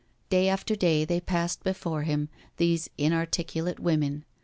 Day after day they passed before him, these inarticu late women.